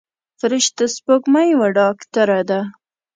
فرشته سپوږمۍ یوه ډاکتره ده.